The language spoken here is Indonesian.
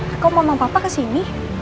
eh kau membawa papa kesini